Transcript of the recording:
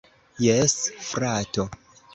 Jes, frato.